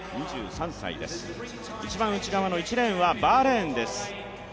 一番内側の１レーンはバーレーンです。